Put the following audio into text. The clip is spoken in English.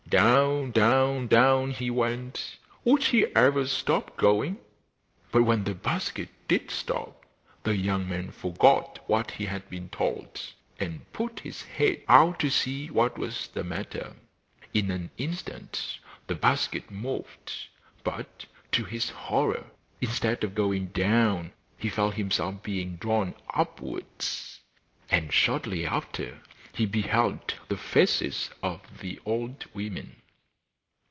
Down, down, down he went; would he ever stop going? But when the basket did stop, the young man forgot what he had been told, and put his head out to see what was the matter. In an instant the basket moved, but, to his horror, instead of going down, he felt himself being drawn upwards, and shortly after he beheld the faces of the old women.